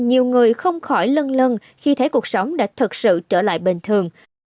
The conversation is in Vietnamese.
nhiều người không khỏi lân lân khi thấy cuộc sống đã thật sự trở lại bình thường